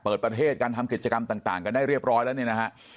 เปิดประเทศการทำกิจกรรมต่างกันได้เรียบร้อยแล้วเนี่ยนะฮะ